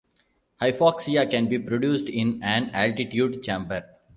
Hypoxia can be produced in an altitude chamber.